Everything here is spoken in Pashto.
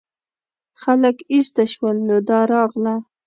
خلک ایسته شول نو دا راغله.